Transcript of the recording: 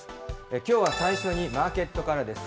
きょうは最初にマーケットからです。